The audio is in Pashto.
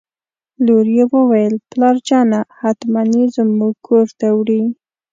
لور یې وویل: پلارجانه حتماً یې زموږ کور ته وړي.